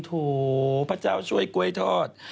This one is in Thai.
โถพระเจ้าช่วยกล้วยทอด